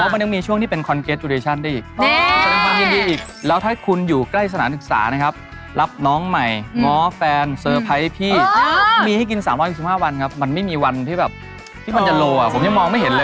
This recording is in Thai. อภิษฐ์เด็ดอภิษฐ์เด็ด